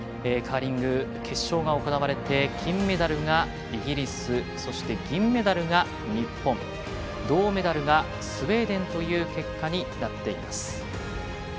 カーリング決勝が行われて金メダルがイギリスそして、銀メダルが日本銅メダルがスウェーデンという結果になっています。